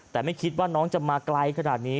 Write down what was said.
แต่ไม่คิดว่าน้องจะมาไกลขนาดนี้